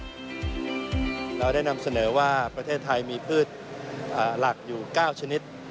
เราได้นำเสนอว่าประเทศไทยมีพืชหลักอยู่๙ชนิด